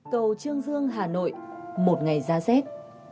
cầu trương dương hà nội một ngày ra rét